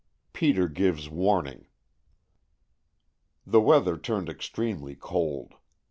PETER GIVES WARNING THE weather turned extremely cold.